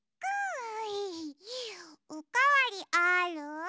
おかわりある？